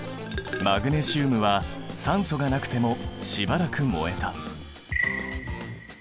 マグネシウムは酸素がなくてもしばらく燃えた。